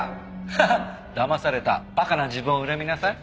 ハハッ！だまされた馬鹿な自分を恨みなさい。